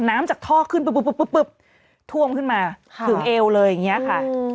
น้ำจากท่อขึ้นปุ๊บปุ๊บปุ๊บปุ๊บท่วงขึ้นมาถึงเอวเลยอย่างเงี้ยค่ะ